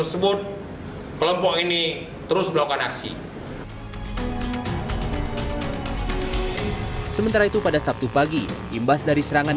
tersebut kelompok ini terus melakukan aksi sementara itu pada sabtu pagi imbas dari serangan